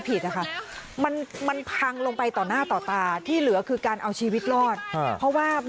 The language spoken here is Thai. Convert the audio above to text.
ที่บ้านไม่เหลืออะไรแล้ว